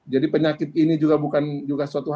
jadi penyakit ini juga bukan suatu hal yang tidak